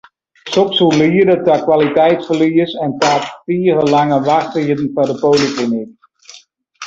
Soks soe liede ta kwaliteitsferlies en ta tige lange wachttiden foar de polyklinyk.